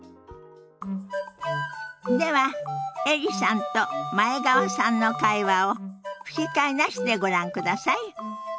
ではエリさんと前川さんの会話を吹き替えなしでご覧ください。